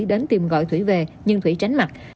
đến tìm gọi thủy về nhưng thủy tránh mặt